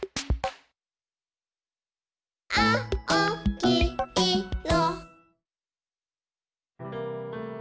「あおきいろ」